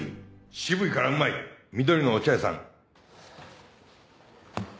渋いからうまい緑のお茶屋さん。